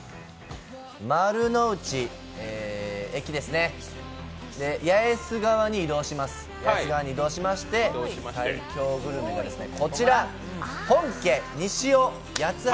丸の内、駅ですね、八重洲側に移動しまして、最強グルメがこちら本家西尾八ッ橋